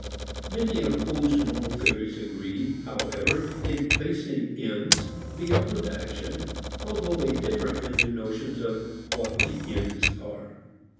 Many opposed moral theories agree however in placing ends beyond action, although they differ in their notions of what the ends are.